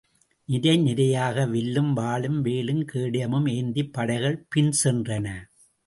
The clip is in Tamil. நிரை நிரையாக வில்லும் வாளும் வேலும் கேடயமும் ஏந்திப் படைகள் பின்சென்றன.